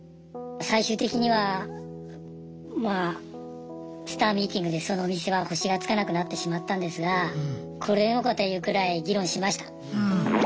最終的にはまぁスターミーティングでそのお店は星がつかなくなってしまったんですがこれでもかというぐらい議論しました。